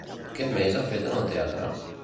Què més ha fet en el teatre?